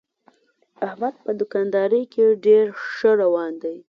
احمد په دوکاندارۍ کې ډېر ښه روان دی.